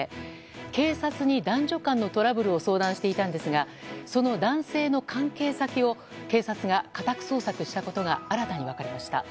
警察に男女間のトラブルを相談していたんですがその男性の関係先を警察が家宅捜索したことが新たに分かりました。